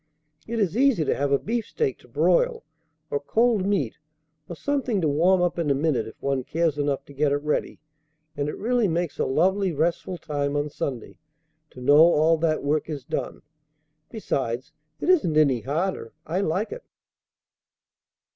It is easy to have a beefsteak to broil, or cold meat, or something to warm up in a minute if one cares enough to get it ready; and it really makes a lovely, restful time on Sunday to know all that work is done. Besides, it isn't any harder. I like it."